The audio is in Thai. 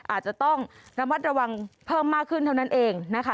อาจจะต้องระมัดระวังเพิ่มมากขึ้นเท่านั้นเองนะคะ